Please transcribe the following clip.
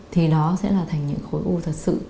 thì đó sẽ là thành những khối u thật sự